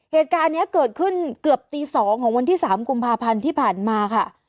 เหตุการณ์นี้เกิดขึ้นเกือบตี๒ของวันที่๓กุมภาพันธ์ที่ผ่านมาค่ะ